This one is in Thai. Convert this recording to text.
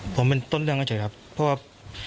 ผมเป็นต้นเรื่องเฉยครับเพราะว่า